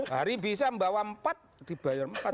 hari bisa membawa empat dibayar empat